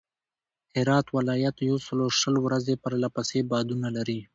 هرات ولایت یوسلوشل ورځي پرله پسې بادونه لري.